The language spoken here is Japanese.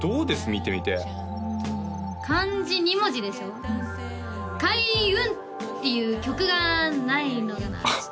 見てみて漢字２文字でしょ「開運」っていう曲がないのがなあ